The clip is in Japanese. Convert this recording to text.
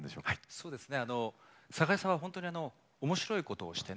そうですね。